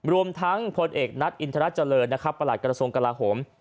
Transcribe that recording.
รวมทั้งพลเอกนัดอินทรัฐเจริญประหลัดกรสมกราโหม